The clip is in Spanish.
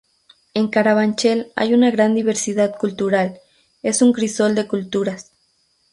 En Carabanchel hay una gran diversidad cultural, es un crisol de culturas.